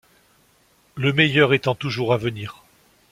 Le meilleur étant toujours à venir.